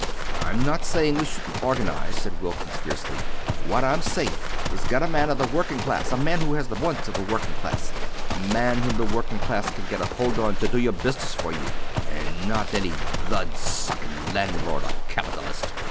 "I'm not saying we shouldn't organise," said Wilkins, fiercely. "What I'm sayin' is, get a man of the working class a man who has the wants of the working class a man whom the working class can get a hold on to do your business for you, and not any bloodsucking landlord or capitalist.